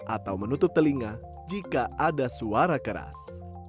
atau menutup telinga jika ada suara keras